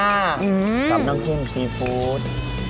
กับน้องกุ้งซีฟู้ด